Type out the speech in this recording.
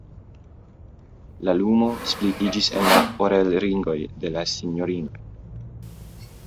La lumo splitiĝis en la orelringoj de la sinjorinoj.